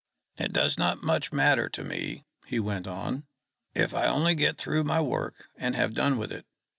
"It does not much matter to me," he went on, "if I only get through my work and have done with it.